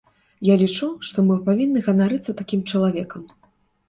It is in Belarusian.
Я лічу, што мы павінны ганарыцца такім чалавекам.